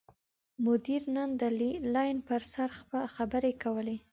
مدیر نن د لین پر سر خبرې کولې.